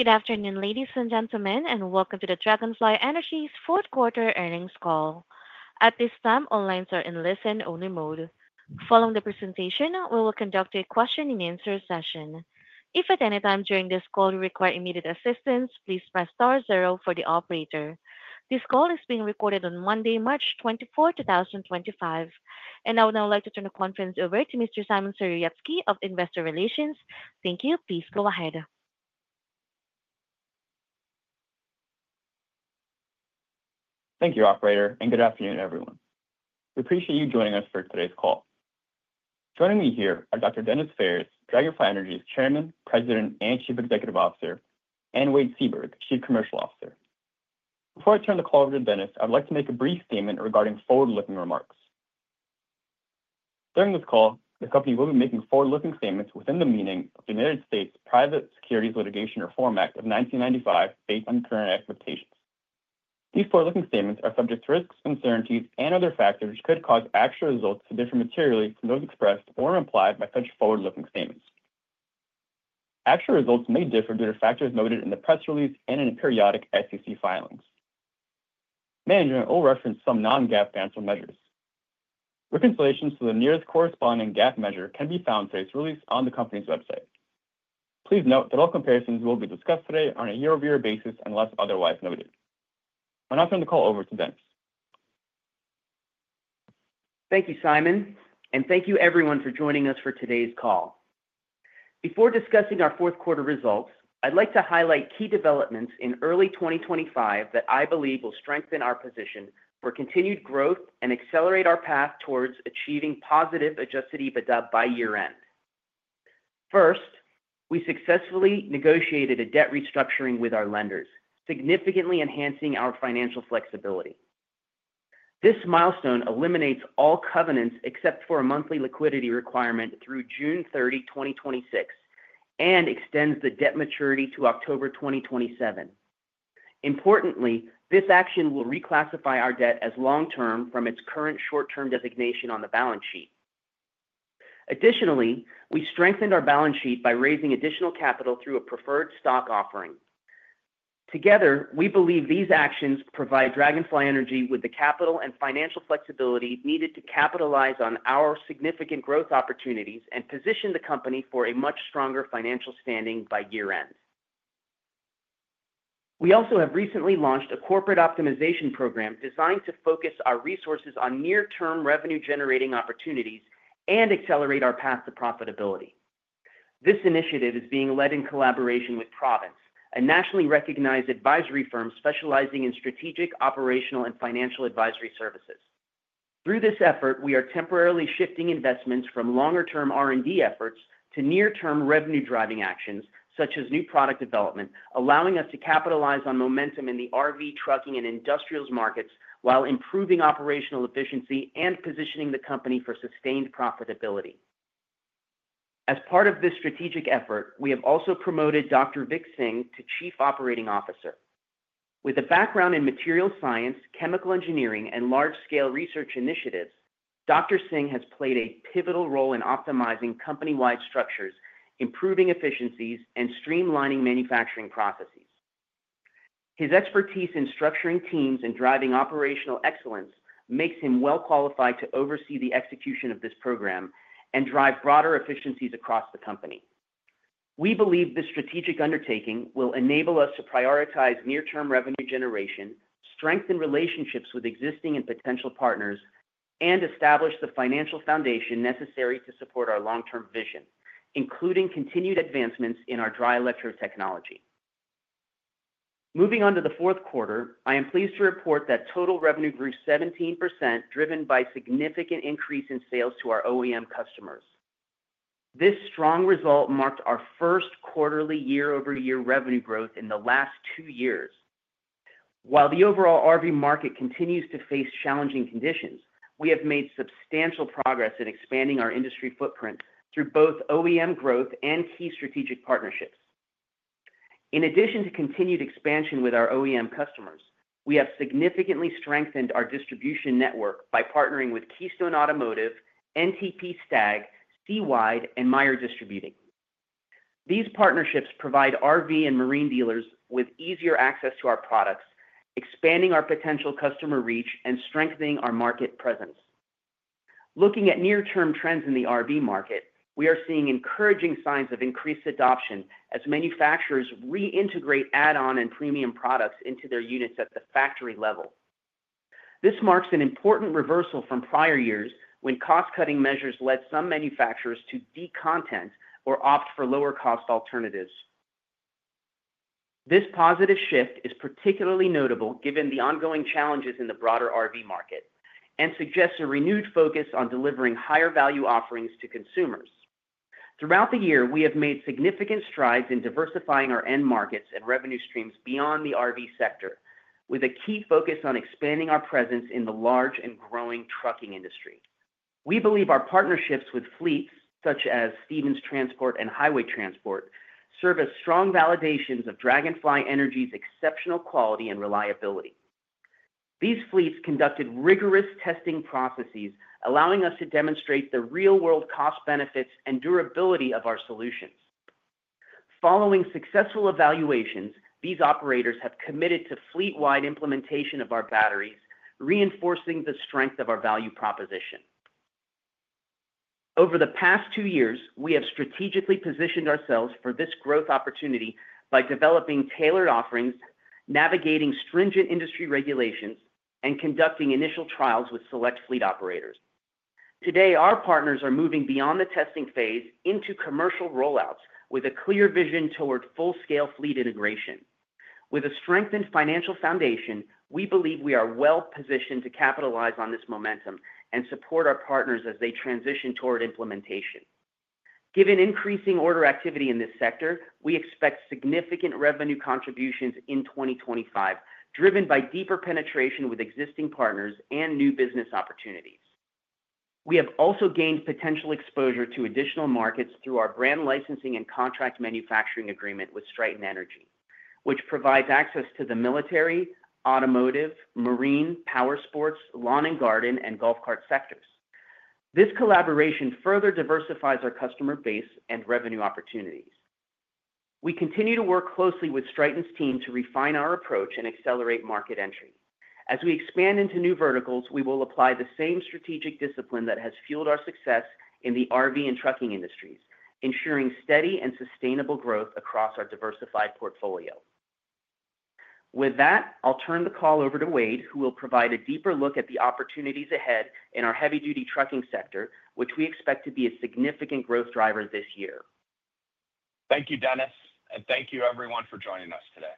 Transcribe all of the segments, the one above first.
Good afternoon, ladies and gentlemen, and welcome to the Dragonfly Energy fourth quarter earnings call. At this time, all lines are in listen-only mode. Following the presentation, we will conduct a question-and-answer session. If at any time during this call you require immediate assistance, please press star zero for the operator. This call is being recorded on Monday, March 24, 2025. I would now like to turn the conference over to Mr. Szymon Serowiecki of Investor Relations. Thank you. Please go ahead. Thank you, Operator, and good afternoon, everyone. We appreciate you joining us for today's call. Joining me here are Dr. Denis Phares, Dragonfly Energy's Chairman, President and Chief Executive Officer, and Wade Seaburg, Chief Commercial Officer. Before I turn the call over to Denis, I would like to make a brief statement regarding forward-looking remarks. During this call, the company will be making forward-looking statements within the meaning of the United States Private Securities Litigation Reform Act of 1995, based on current expectations. These forward-looking statements are subject to risks, uncertainties, and other factors which could cause actual results to differ materially from those expressed or implied by such forward-looking statements. Actual results may differ due to factors noted in the press release and in periodic SEC filings. Management will reference some non-GAAP financial measures. Reconciliations to the nearest corresponding GAAP measure can be found for its release on the company's website. Please note that all comparisons will be discussed today on a year-over-year basis unless otherwise noted. I'll now turn the call over to Denis. Thank you, Szymon, and thank you, everyone, for joining us for today's call. Before discussing our fourth quarter results, I'd like to highlight key developments in early 2025 that I believe will strengthen our position for continued growth and accelerate our path towards achieving positive adjusted EBITDA by year-end. First, we successfully negotiated a debt restructuring with our lenders, significantly enhancing our financial flexibility. This milestone eliminates all covenants except for a monthly liquidity requirement through June 30, 2026, and extends the debt maturity to October 2027. Importantly, this action will reclassify our debt as long-term from its current short-term designation on the balance sheet. Additionally, we strengthened our balance sheet by raising additional capital through a preferred stock offering. Together, we believe these actions provide Dragonfly Energy with the capital and financial flexibility needed to capitalize on our significant growth opportunities and position the company for a much stronger financial standing by year-end. We also have recently launched a corporate optimization program designed to focus our resources on near-term revenue-generating opportunities and accelerate our path to profitability. This initiative is being led in collaboration with Province, a nationally recognized advisory firm specializing in strategic, operational, and financial advisory services. Through this effort, we are temporarily shifting investments from longer-term R&D efforts to near-term revenue-driving actions such as new product development, allowing us to capitalize on momentum in the RV, trucking, and industrials markets while improving operational efficiency and positioning the company for sustained profitability. As part of this strategic effort, we have also promoted Dr. Vik Singh to Chief Operating Officer. With a background in materials science, chemical engineering, and large-scale research initiatives, Dr. Singh has played a pivotal role in optimizing company-wide structures, improving efficiencies, and streamlining manufacturing processes. His expertise in structuring teams and driving operational excellence makes him well-qualified to oversee the execution of this program and drive broader efficiencies across the company. We believe this strategic undertaking will enable us to prioritize near-term revenue generation, strengthen relationships with existing and potential partners, and establish the financial foundation necessary to support our long-term vision, including continued advancements in our dry electrode technology. Moving on to the fourth quarter, I am pleased to report that total revenue grew 17%, driven by a significant increase in sales to our OEM customers. This strong result marked our first quarterly year-over-year revenue growth in the last two years. While the overall RV market continues to face challenging conditions, we have made substantial progress in expanding our industry footprint through both OEM growth and key strategic partnerships. In addition to continued expansion with our OEM customers, we have significantly strengthened our distribution network by partnering with Keystone Automotive, NTP-STAG, Seawide, and Meyer Distributing. These partnerships provide RV and marine dealers with easier access to our products, expanding our potential customer reach and strengthening our market presence. Looking at near-term trends in the RV market, we are seeing encouraging signs of increased adoption as manufacturers reintegrate add-on and premium products into their units at the factory level. This marks an important reversal from prior years when cost-cutting measures led some manufacturers to decontent or opt for lower-cost alternatives. This positive shift is particularly notable given the ongoing challenges in the broader RV market and suggests a renewed focus on delivering higher-value offerings to consumers. Throughout the year, we have made significant strides in diversifying our end markets and revenue streams beyond the RV sector, with a key focus on expanding our presence in the large and growing trucking industry. We believe our partnerships with fleets such as Stevens Transport and Highway Transport serve as strong validations of Dragonfly Energy's exceptional quality and reliability. These fleets conducted rigorous testing processes, allowing us to demonstrate the real-world cost benefits and durability of our solutions. Following successful evaluations, these operators have committed to fleet-wide implementation of our batteries, reinforcing the strength of our value proposition. Over the past two years, we have strategically positioned ourselves for this growth opportunity by developing tailored offerings, navigating stringent industry regulations, and conducting initial trials with select fleet operators. Today, our partners are moving beyond the testing phase into commercial rollouts with a clear vision toward full-scale fleet integration. With a strengthened financial foundation, we believe we are well-positioned to capitalize on this momentum and support our partners as they transition toward implementation. Given increasing order activity in this sector, we expect significant revenue contributions in 2025, driven by deeper penetration with existing partners and new business opportunities. We have also gained potential exposure to additional markets through our brand licensing and contract manufacturing agreement with Stryten Energy, which provides access to the military, automotive, marine, powersports, lawn and garden, and golf cart sectors. This collaboration further diversifies our customer base and revenue opportunities. We continue to work closely with Stryten's team to refine our approach and accelerate market entry. As we expand into new verticals, we will apply the same strategic discipline that has fueled our success in the RV and trucking industries, ensuring steady and sustainable growth across our diversified portfolio. With that, I'll turn the call over to Wade, who will provide a deeper look at the opportunities ahead in our heavy-duty trucking sector, which we expect to be a significant growth driver this year. Thank you, Denis, and thank you, everyone, for joining us today.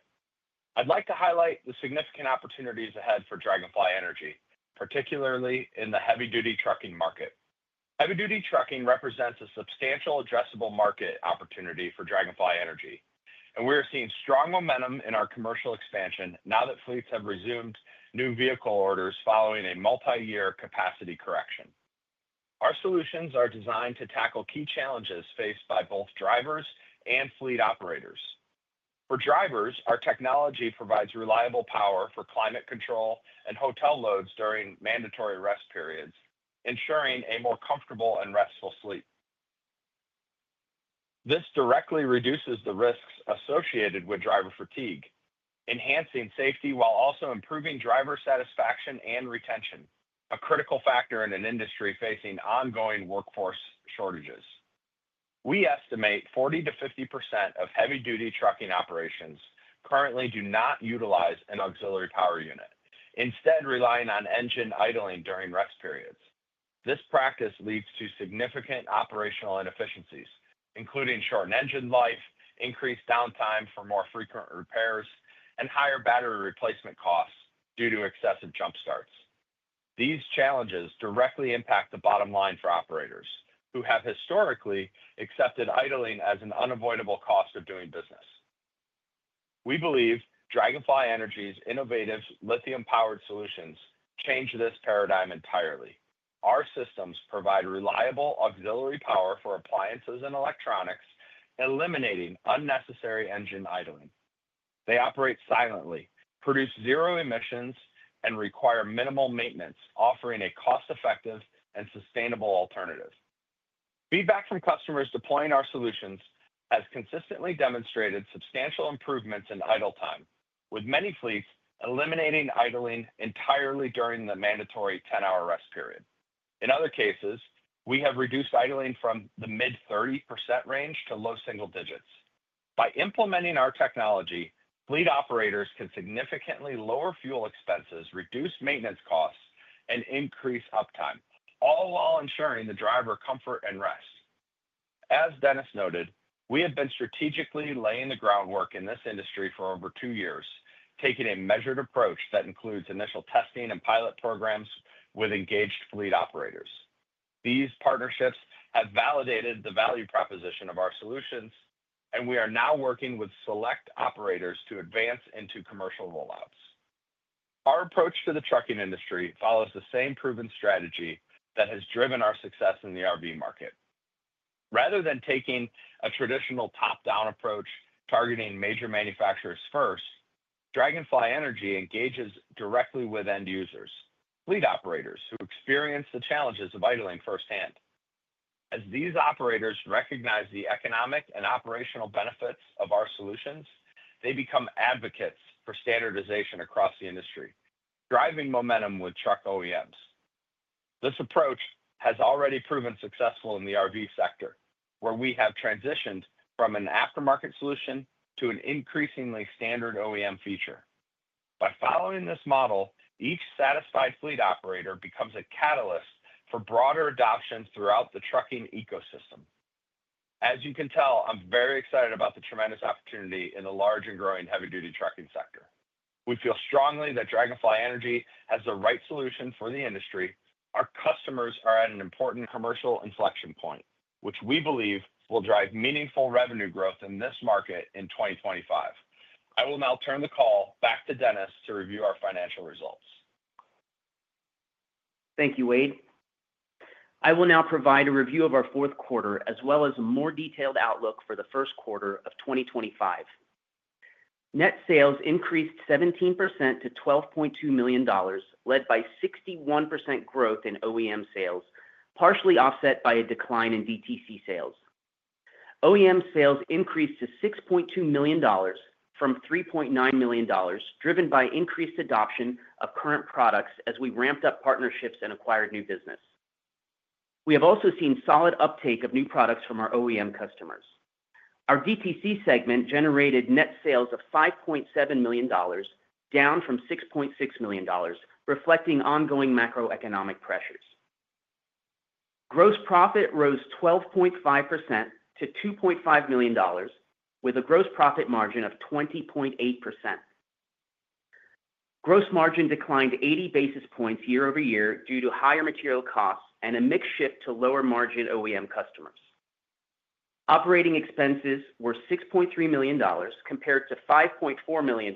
I'd like to highlight the significant opportunities ahead for Dragonfly Energy, particularly in the heavy-duty trucking market. Heavy-duty trucking represents a substantial addressable market opportunity for Dragonfly Energy, and we are seeing strong momentum in our commercial expansion now that fleets have resumed new vehicle orders following a multi-year capacity correction. Our solutions are designed to tackle key challenges faced by both drivers and fleet operators. For drivers, our technology provides reliable power for climate control and hotel loads during mandatory rest periods, ensuring a more comfortable and restful sleep. This directly reduces the risks associated with driver fatigue, enhancing safety while also improving driver satisfaction and retention, a critical factor in an industry facing ongoing workforce shortages. We estimate 40%-50% of heavy-duty trucking operations currently do not utilize an auxiliary power unit, instead relying on engine idling during rest periods. This practice leads to significant operational inefficiencies, including shortened engine life, increased downtime for more frequent repairs, and higher battery replacement costs due to excessive jump starts. These challenges directly impact the bottom line for operators, who have historically accepted idling as an unavoidable cost of doing business. We believe Dragonfly Energy's innovative lithium-powered solutions change this paradigm entirely. Our systems provide reliable auxiliary power for appliances and electronics, eliminating unnecessary engine idling. They operate silently, produce zero emissions, and require minimal maintenance, offering a cost-effective and sustainable alternative. Feedback from customers deploying our solutions has consistently demonstrated substantial improvements in idle time, with many fleets eliminating idling entirely during the mandatory 10-hour rest period. In other cases, we have reduced idling from the mid-30% range to low single digits. By implementing our technology, fleet operators can significantly lower fuel expenses, reduce maintenance costs, and increase uptime, all while ensuring the driver comfort and rest. As Denis noted, we have been strategically laying the groundwork in this industry for over two years, taking a measured approach that includes initial testing and pilot programs with engaged fleet operators. These partnerships have validated the value proposition of our solutions, and we are now working with select operators to advance into commercial rollouts. Our approach to the trucking industry follows the same proven strategy that has driven our success in the RV market. Rather than taking a traditional top-down approach targeting major manufacturers first, Dragonfly Energy engages directly with end users, fleet operators who experience the challenges of idling firsthand. As these operators recognize the economic and operational benefits of our solutions, they become advocates for standardization across the industry, driving momentum with truck OEMs. This approach has already proven successful in the RV sector, where we have transitioned from an aftermarket solution to an increasingly standard OEM feature. By following this model, each satisfied fleet operator becomes a catalyst for broader adoption throughout the trucking ecosystem. As you can tell, I'm very excited about the tremendous opportunity in the large and growing heavy-duty trucking sector. We feel strongly that Dragonfly Energy has the right solution for the industry. Our customers are at an important commercial inflection point, which we believe will drive meaningful revenue growth in this market in 2025. I will now turn the call back to Denis to review our financial results. Thank you, Wade. I will now provide a review of our fourth quarter as well as a more detailed outlook for the first quarter of 2025. Net sales increased 17% to $12.2 million, led by 61% growth in OEM sales, partially offset by a decline in DTC sales. OEM sales increased to $6.2 million from $3.9 million, driven by increased adoption of current products as we ramped up partnerships and acquired new business. We have also seen solid uptake of new products from our OEM customers. Our DTC segment generated net sales of $5.7 million, down from $6.6 million, reflecting ongoing macroeconomic pressures. Gross profit rose 12.5% to $2.5 million, with a gross profit margin of 20.8%. Gross margin declined 80 basis points year-over-year due to higher material costs and a mix shift to lower margin OEM customers. Operating expenses were $6.3 million compared to $5.4 million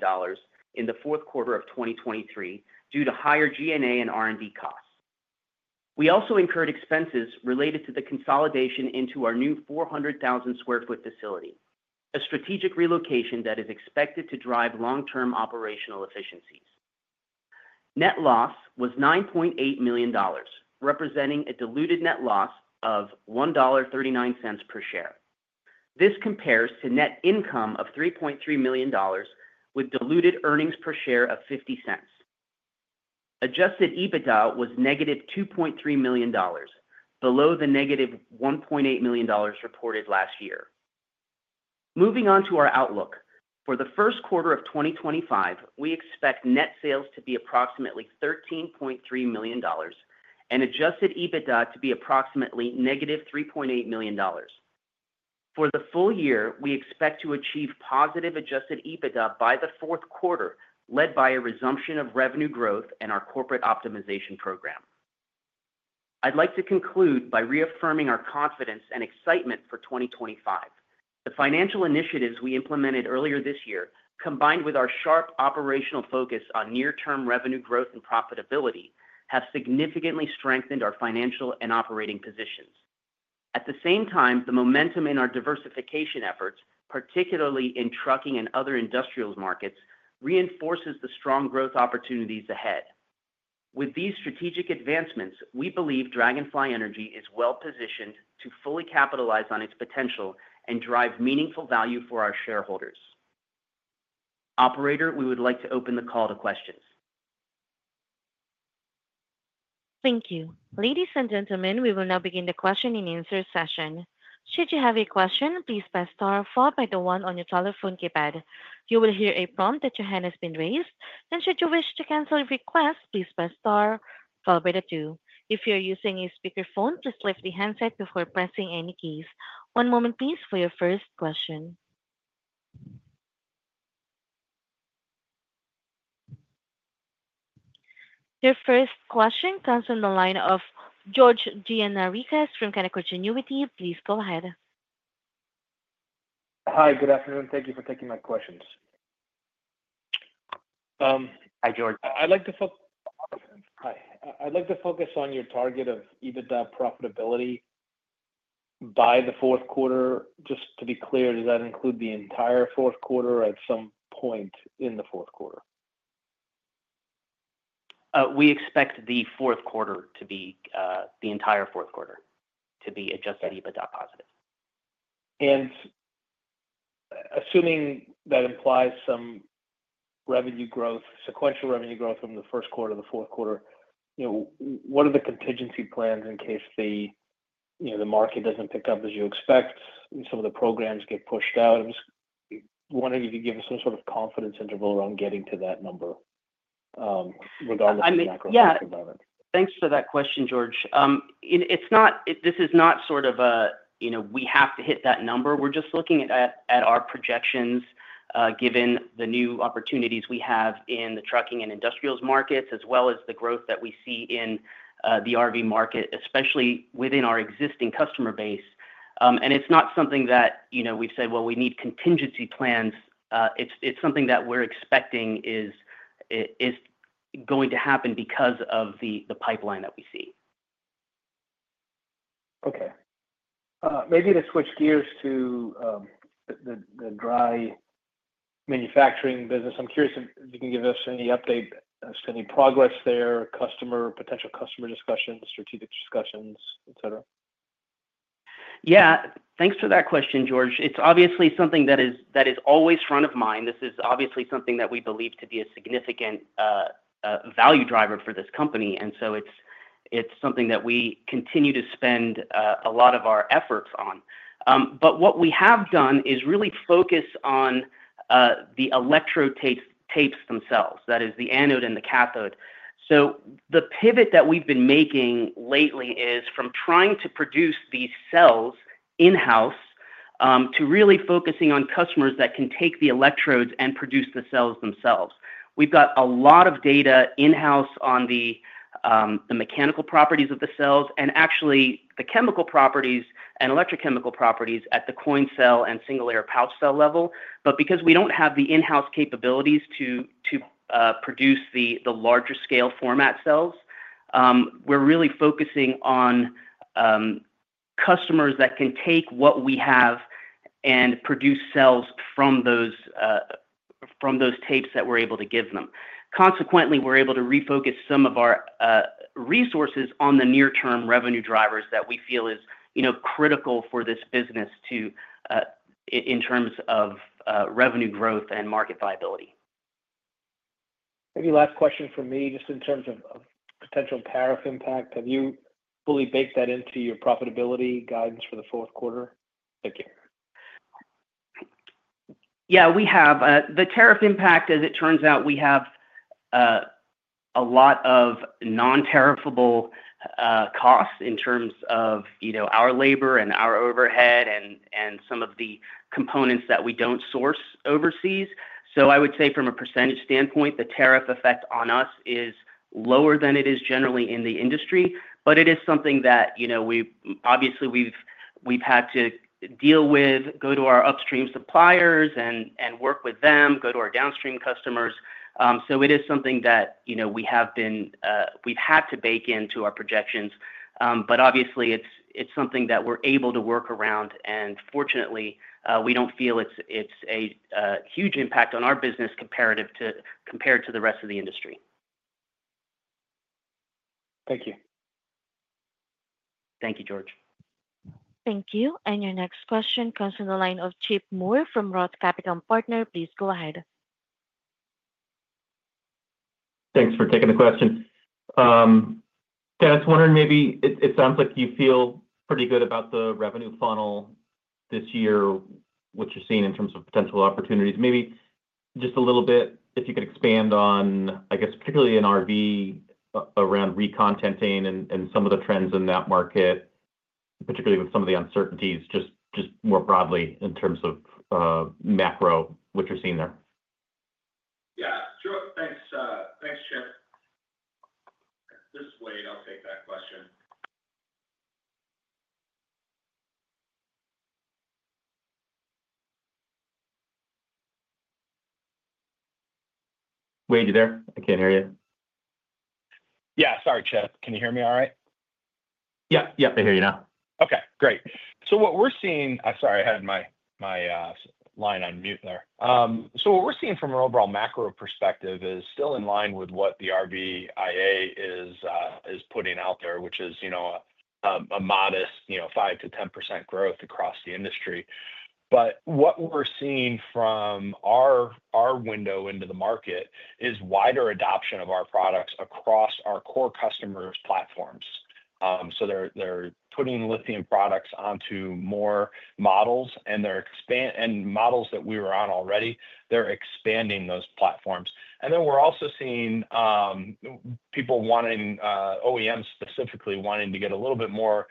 in the fourth quarter of 2023 due to higher G&A and R&D costs. We also incurred expenses related to the consolidation into our new 400,000 sq ft facility, a strategic relocation that is expected to drive long-term operational efficiencies. Net loss was $9.8 million, representing a diluted net loss of $1.39 per share. This compares to net income of $3.3 million, with diluted earnings per share of $0.50. Adjusted EBITDA was negative $2.3 million, below the negative $1.8 million reported last year. Moving on to our outlook, for the first quarter of 2025, we expect net sales to be approximately $13.3 million and adjusted EBITDA to be approximately negative $3.8 million. For the full year, we expect to achieve positive adjusted EBITDA by the fourth quarter, led by a resumption of revenue growth and our corporate optimization program. I'd like to conclude by reaffirming our confidence and excitement for 2025. The financial initiatives we implemented earlier this year, combined with our sharp operational focus on near-term revenue growth and profitability, have significantly strengthened our financial and operating positions. At the same time, the momentum in our diversification efforts, particularly in trucking and other industrial markets, reinforces the strong growth opportunities ahead. With these strategic advancements, we believe Dragonfly Energy is well-positioned to fully capitalize on its potential and drive meaningful value for our shareholders. Operator, we would like to open the call to questions. Thank you. Ladies and gentlemen, we will now begin the question and answer session. Should you have a question, please press star followed by the one on your telephone keypad. You will hear a prompt that your hand has been raised, and should you wish to cancel your request, please press star followed by the two. If you're using a speakerphone, please lift the handset before pressing any keys. One moment, please, for your first question. Your first question comes from the line of George Gianarikas from Canaccord Genuity. Please go ahead. Hi, good afternoon. Thank you for taking my questions. Hi, George. I'd like to focus on your target of EBITDA profitability by the fourth quarter. Just to be clear, does that include the entire fourth quarter or at some point in the fourth quarter? We expect the fourth quarter to be the entire fourth quarter to be adjusted EBITDA positive. Assuming that implies some revenue growth, sequential revenue growth from the first quarter to the fourth quarter, what are the contingency plans in case the market does not pick up as you expect and some of the programs get pushed out? I am just wondering if you could give us some sort of confidence interval around getting to that number, regardless of macroeconomic development. Thanks for that question, George. This is not sort of a, "We have to hit that number." We're just looking at our projections given the new opportunities we have in the trucking and industrials markets, as well as the growth that we see in the RV market, especially within our existing customer base. It is not something that we've said, "We need contingency plans." It is something that we're expecting is going to happen because of the pipeline that we see. Okay. Maybe to switch gears to the dry manufacturing business, I'm curious if you can give us any update, any progress there, customer, potential customer discussions, strategic discussions, etc. Yeah. Thanks for that question, George. It's obviously something that is always front of mind. This is obviously something that we believe to be a significant value driver for this company, and it is something that we continue to spend a lot of our efforts on. What we have done is really focus on the electrode tapes themselves, that is, the anode and the cathode. The pivot that we've been making lately is from trying to produce these cells in-house to really focusing on customers that can take the electrodes and produce the cells themselves. We've got a lot of data in-house on the mechanical properties of the cells and actually the chemical properties and electrochemical properties at the coin cell and single layer pouch cell level. Because we don't have the in-house capabilities to produce the larger scale format cells, we're really focusing on customers that can take what we have and produce cells from those tapes that we're able to give them. Consequently, we're able to refocus some of our resources on the near-term revenue drivers that we feel is critical for this business in terms of revenue growth and market viability. Maybe last question from me, just in terms of potential tariff impact. Have you fully baked that into your profitability guidance for the fourth quarter? Thank you. Yeah, we have. The tariff impact, as it turns out, we have a lot of non-tariffable costs in terms of our labor and our overhead and some of the components that we don't source overseas. I would say from a % standpoint, the tariff effect on us is lower than it is generally in the industry, but it is something that obviously we've had to deal with, go to our upstream suppliers and work with them, go to our downstream customers. It is something that we've had to bake into our projections, but obviously it's something that we're able to work around, and fortunately, we don't feel it's a huge impact on our business compared to the rest of the industry. Thank you. Thank you, George. Thank you. Your next question comes from the line of Chip Moore from Roth Capital Partners. Please go ahead. Thanks for taking the question. Yeah, I was wondering, maybe it sounds like you feel pretty good about the revenue funnel this year, what you're seeing in terms of potential opportunities. Maybe just a little bit, if you could expand on, I guess, particularly in RV, around recontenting and some of the trends in that market, particularly with some of the uncertainties, just more broadly in terms of macro, what you're seeing there. Yeah. Sure. Thanks, Chip. This way, I'll take that question. Wade, you there? I can't hear you. Yeah. Sorry, Chip. Can you hear me all right? Yeah. Yeah. I hear you now. Okay. Great. What we're seeing—sorry, I had my line on mute there. What we're seeing from an overall macro perspective is still in line with what the RVIA is putting out there, which is a modest 5%-10% growth across the industry. What we're seeing from our window into the market is wider adoption of our products across our core customers' platforms. They're putting lithium products onto more models, and models that we were on already, they're expanding those platforms. We're also seeing people wanting—OEMs specifically wanting to get a little bit more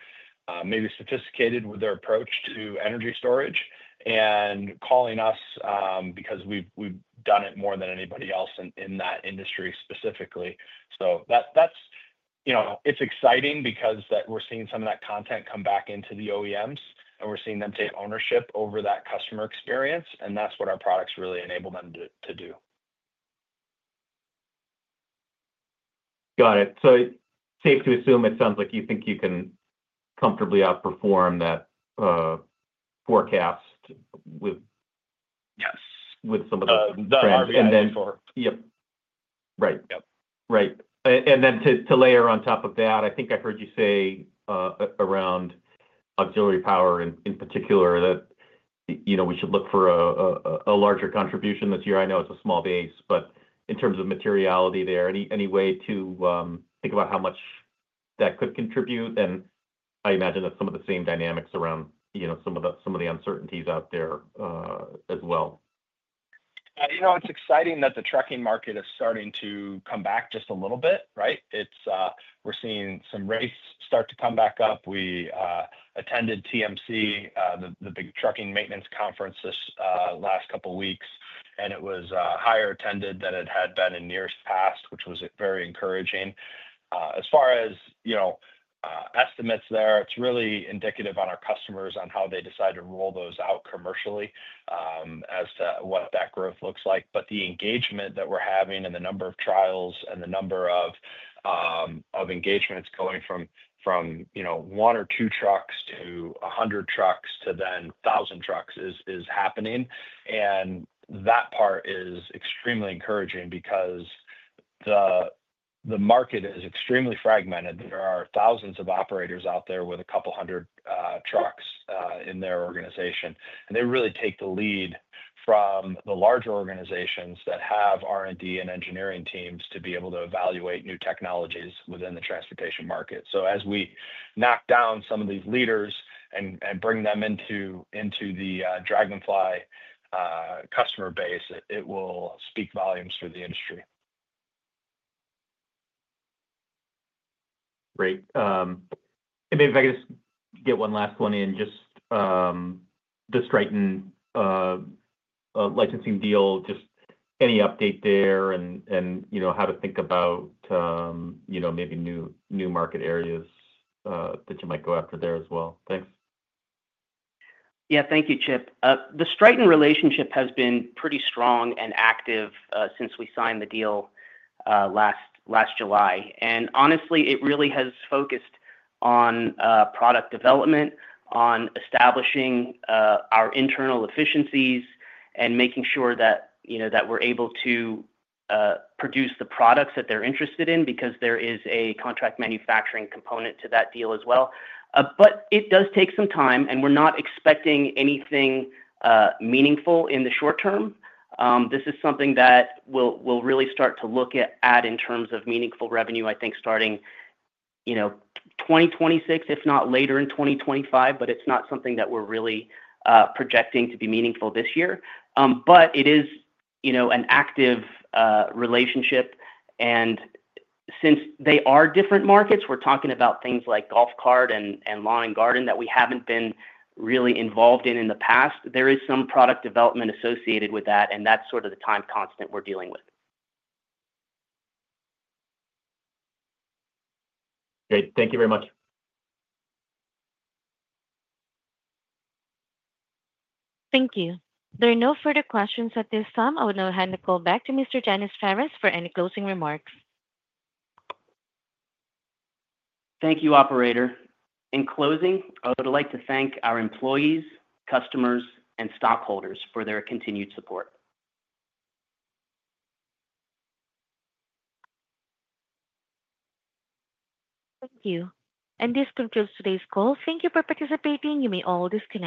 maybe sophisticated with their approach to energy storage and calling us because we've done it more than anybody else in that industry specifically. It is exciting because we're seeing some of that content come back into the OEMs, and we're seeing them take ownership over that customer experience, and that's what our products really enable them to do. Got it. So safe to assume it sounds like you think you can comfortably outperform that forecast with some of the trends and then. Yep. Right. Yep. Right. To layer on top of that, I think I heard you say around auxiliary power in particular that we should look for a larger contribution this year. I know it's a small base, but in terms of materiality there, any way to think about how much that could contribute? I imagine that's some of the same dynamics around some of the uncertainties out there as well. It's exciting that the trucking market is starting to come back just a little bit, right? We're seeing some rates start to come back up. We attended TMC, the big trucking maintenance conference, this last couple of weeks, and it was higher attended than it had been in years past, which was very encouraging. As far as estimates there, it's really indicative on our customers on how they decide to roll those out commercially as to what that growth looks like. The engagement that we're having and the number of trials and the number of engagements going from one or two trucks to 100 trucks to then 1,000 trucks is happening. That part is extremely encouraging because the market is extremely fragmented. There are thousands of operators out there with a couple hundred trucks in their organization, and they really take the lead from the larger organizations that have R&D and engineering teams to be able to evaluate new technologies within the transportation market. As we knock down some of these leaders and bring them into the Dragonfly customer base, it will speak volumes for the industry. Great. Maybe if I could just get one last one in, just the Stryten licensing deal, just any update there and how to think about maybe new market areas that you might go after there as well. Thanks. Yeah. Thank you, Chip. The Stryten relationship has been pretty strong and active since we signed the deal last July. Honestly, it really has focused on product development, on establishing our internal efficiencies, and making sure that we're able to produce the products that they're interested in because there is a contract manufacturing component to that deal as well. It does take some time, and we're not expecting anything meaningful in the short term. This is something that we'll really start to look at in terms of meaningful revenue, I think, starting 2026, if not later in 2025. It's not something that we're really projecting to be meaningful this year. It is an active relationship. Since they are different markets, we're talking about things like golf cart and lawn and garden that we haven't been really involved in in the past. There is some product development associated with that, and that's sort of the time constant we're dealing with. Great. Thank you very much. Thank you. There are no further questions at this time. I will now hand the call back to Mr. Denis Phares for any closing remarks. Thank you, Operator. In closing, I would like to thank our employees, customers, and stockholders for their continued support. Thank you. This concludes today's call. Thank you for participating. You may all disconnect.